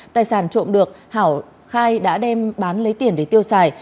tài sản trộm được hảo khai đã đem bán lấy tiền để tiêu xài